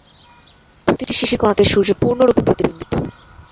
প্রতিটি শিশির-কণাতে সূর্য পূর্ণরূপে প্রতিবিম্বিত।